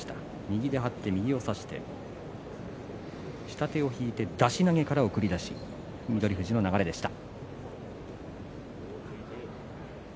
右で張って右を差して下手を引いて出し投げから送り出し翠富士の流れでした。